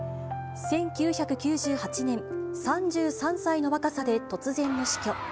１９９８年、３３歳の若さで突然の死去。